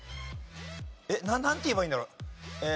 えっなんて言えばいいんだろう？